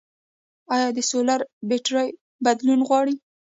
آیا د سولر بیترۍ بدلول غواړي؟